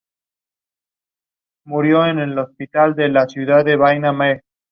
Lo que dijo es que luchará por su vida y por recuperarse", ha concluido.